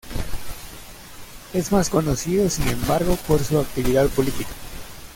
Es más conocido sin embargo por su actividad política.